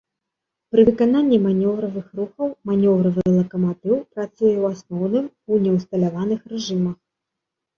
Пры выкананні манеўровых рухаў манеўровы лакаматыў працуе ў асноўным у неўсталяваных рэжымах.